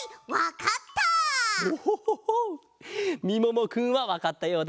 オホホホみももくんはわかったようだぞ。